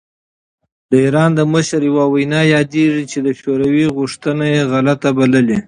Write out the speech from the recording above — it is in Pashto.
د ایران د مشر یوه وینا یادېږي چې د شوروي غوښتنه یې غلطه بللې.